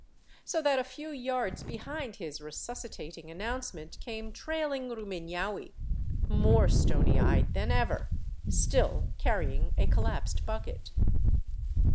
So that a few yards behind his resuscitating announce ment came trailing Ruminaui, more stony eyed than ever, still carry ing a collapsed bucket.